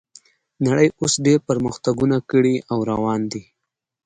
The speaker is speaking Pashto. نړۍ اوس ډیر پرمختګونه کړي او روان دي